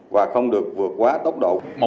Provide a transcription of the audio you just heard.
và không được vượt quá tốc độ